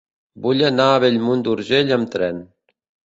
Vull anar a Bellmunt d'Urgell amb tren.